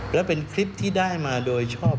และเป็นคลิปที่ได้มาโดยชอบ